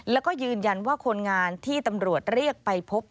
แล้วก็ยืนยันว่าคนงานที่ตำรวจเรียกไปพบ